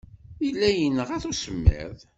Yella yenɣa-t usemmiḍ.